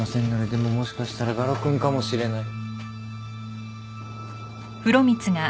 でももしかしたら我路君かもしれない。